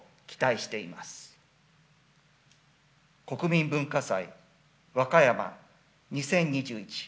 「国民文化祭・わかやま２０２１」